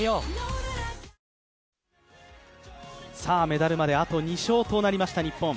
メダルまであと２勝となりました、日本。